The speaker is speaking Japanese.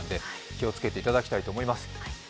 気をつけていただきたいと思います。